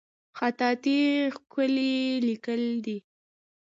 خطاطي ښکلی لیکل دي